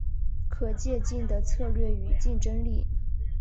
可借镜的策略与竞争力